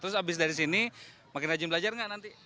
terus habis dari sini makin rajin belajar enggak nanti